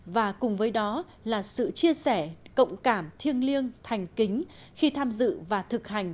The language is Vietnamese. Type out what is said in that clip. và cùng với đó là sự chia sẻ cộng cảm thiêng liêng thành kính khi tham dự và thực hành